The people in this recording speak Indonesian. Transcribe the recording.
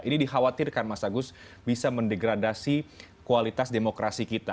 ini dikhawatirkan mas agus bisa mendegradasi kualitas demokrasi kita